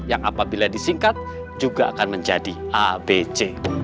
yang apabila disingkat juga akan menjadi abc